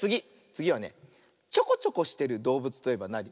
つぎはねちょこちょこしてるどうぶつといえばなに？